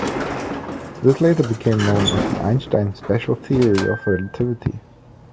This later became known as Einstein's special theory of relativity.